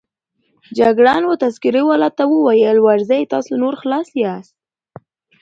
جګړن وه تذکره والاو ته وویل: ورځئ، تاسو نور خلاص یاست.